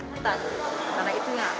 menuntutkan destinasi wilayah